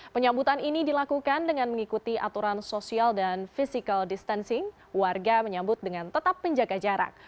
penyambutan ini dilakukan dengan mengikuti aturan sosial dan physical distancing warga menyambut dengan tetap menjaga jarak